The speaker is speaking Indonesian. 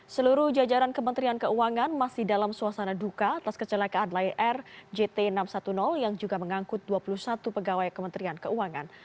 seluruh jajaran kementerian keuangan masih dalam suasana duka atas kecelakaan layer jt enam ratus sepuluh yang juga mengangkut dua puluh satu pegawai kementerian keuangan